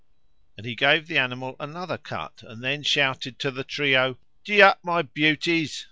And he gave the animal another cut, and then shouted to the trio, "Gee up, my beauties!"